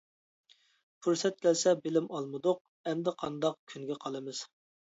پۇرسەت كەلسە بىلىم ئالمىدۇق، ئەمدى قانداق كۈنگە قالىمىز.